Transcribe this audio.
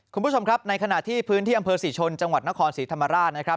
คุณผู้ชมครับในขณะที่พื้นที่อำเภอศรีชนจังหวัดนครศรีธรรมราชนะครับ